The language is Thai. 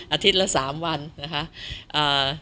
อาทิตย์ละสามวันนะคะ